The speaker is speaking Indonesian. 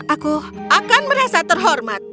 aku akan merasa terhormat